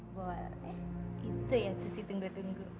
boleh gitu yang susi tunggu tunggu yuk